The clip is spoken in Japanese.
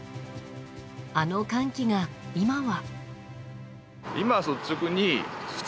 あの歓喜が今は。